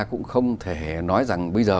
cũng không thể nói rằng bây giờ